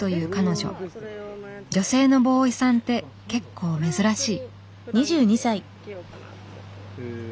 女性のボーイさんって結構珍しい。